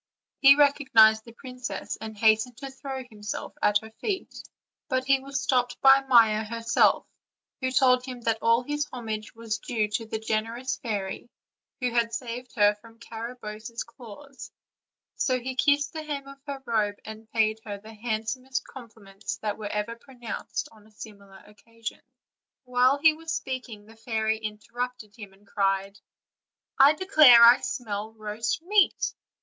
He recognized the princess, and hastened to throw himself at her feet; but he was stopped by Maia herself, who told him that all his homage was due to the generous fairy, who had saved her from Garabosse's claws; so he kissed the hem of her robe, and paid her the handsomest compliments that were ever pronounced on a similar occasion. While he was speaking the fairy interrupted him, and cried: "I declare I smell roast meat."